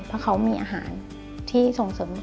เพราะเขามีอาหารที่ส่งเสริม